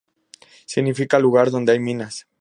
Significa lugar donde hay minas.